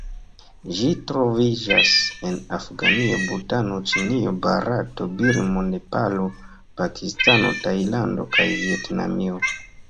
Ĝi troviĝas en Afganio, Butano, Ĉinio, Barato, Birmo, Nepalo, Pakistano, Tajlando kaj Vjetnamio.